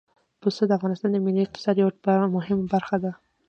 پسه د افغانستان د ملي اقتصاد یوه مهمه برخه ده.